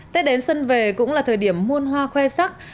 tết đến xuân về cũng là thời điểm muôn hoa khoe sắc